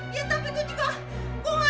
ya tapi itu juga